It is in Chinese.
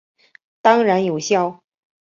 当然有效！